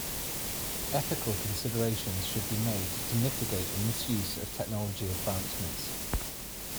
Ethical considerations should be made to mitigate the misuse of technology advancements.